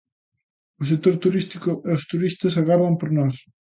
O sector turístico e os turistas agardan por nós.